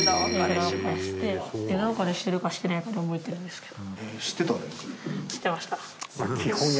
蓮君：枝分かれしてるかしてないかで覚えてるんですけど。